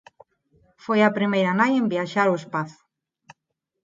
Foi a primeira nai en viaxar ao espazo.